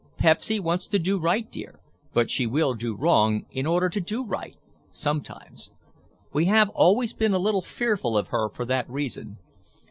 "Pepsy wants to do right, dear, but she will do wrong in order to do right—sometimes. We have always been a little fearful of her for that reason.